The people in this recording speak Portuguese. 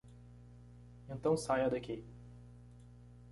Então saia daqui.